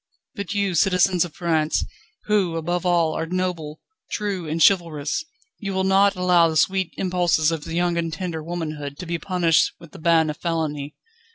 But you, citizens of France, who, above all, are noble, true, and chivalrous, you will not allow the sweet impulses of young and tender womanhood to be punished with the ban of felony.